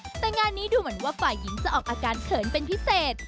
แต่งานนี้ดูเหมือนว่าฝ่ายหญิงจะออกอาการเขินเป็นพิเศษ